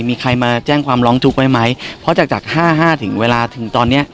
มีใครมาแจ้งความร้องทุกข์ไว้ไหมเพราะจากจากห้าห้าถึงเวลาถึงตอนเนี้ย